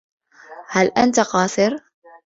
هل أنت قاصر؟